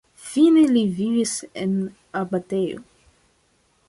Fine li vivis en abatejo.